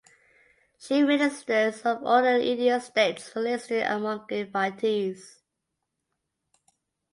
Chief Ministers of all the Indian states were listed among invitees.